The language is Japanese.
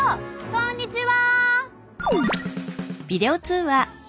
こんにちは！